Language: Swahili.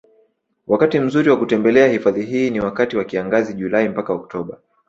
Wakati mzuri wa kutembelea hifadhi hii ni wakati wa kiangazi Julai mpaka Octoba